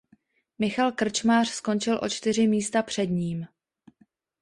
Michal Krčmář skončil o čtyři místa před ním.